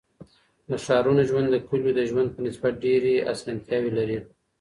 د ښارونو ژوند د کليو د ژوند په نسبت ډيري اسانتياوي لري.